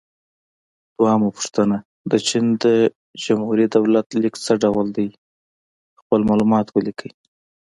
دویمه پوښتنه: د چین د جمهوري دولت لیک څه ډول دی؟ خپل معلومات ولیکئ.